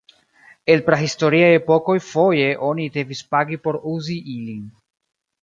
El prahistoriaj epokoj foje oni devis pagi por uzi ilin.